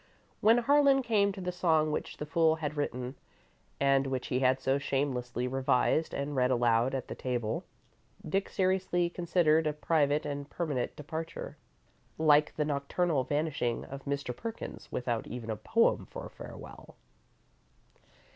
When Harlan came to the song which the fool had written, and which he had so shamelessly revised and read aloud at the table, Dick seriously considered a private and permanent departure, like the nocturnal vanishing of Mr. Perkins, without even a poem for farewell.